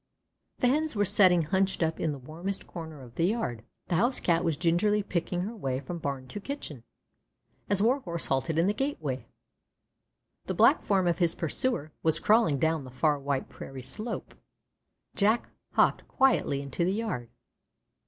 The Hens were sitting hunched up in the warmest corner of the yard. The house Cat was gingerly picking her way from barn to kitchen, as Warhorse halted in the gateway. The black form of his pursuer was crawling down the far white prairie slope. Jack hopped quietly into the yard.